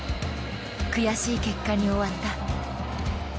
悔しい結果に終わった。